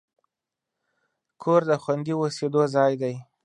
کور د خوندي اوسېدو ځای دی.